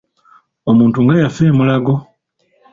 Omuntu nga yafa e Mulago!